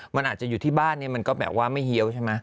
มันอาจจะอยู่ที่บ้านเนี่ยมันก็แบบว่าไม่เฮียวใช่ไหม